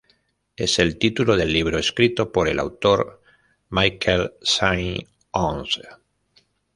Es el título del libro escrito por el autor Michael Saint-Onge.